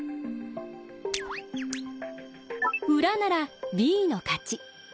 裏ならＢの勝ち。